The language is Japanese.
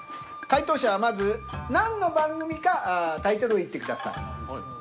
回答者はまず何の番組かタイトルを言ってください。